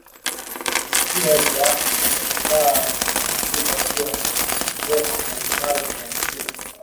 Visiwa vya zanzibar vimebahatika kuwa na ngoma mbali mbali za asili